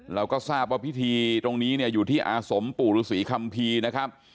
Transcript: เราก็ทราบว่าพิธีตรงนี้เนี่ยอยู่ที่อาสมปู่ฤษีคัมภีร์นะครับ